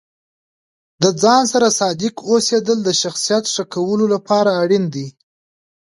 د ځان سره صادق اوسیدل د شخصیت ښه کولو لپاره اړین دي.